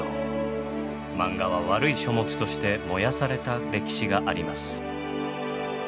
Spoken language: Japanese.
マンガは悪い書物として燃やされた歴史があります。